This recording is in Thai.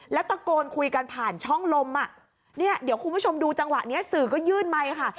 แล้วตะโกนคุยกันผ่านช่องลมอ่ะเนี่ยเดี๋ยวคุณผู้ชมดูจังหวะนี้สื่อก็ยื่นไมค์ค่ะ